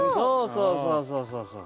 そうそうそうそうそう。